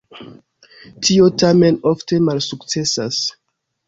Tio tamen ofte malsukcesas.